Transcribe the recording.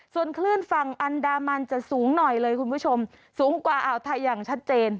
ส่วนคลื่นฝั่งอันดามันจะสูงหน่อยเลยคุณผู้ชมสูงกว่าอ่าวไทยอย่างชัดเจน